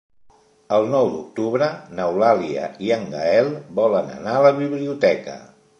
El nou d'octubre n'Eulàlia i en Gaël volen anar a la biblioteca.